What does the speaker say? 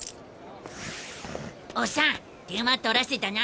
おっさん手間取らせたな。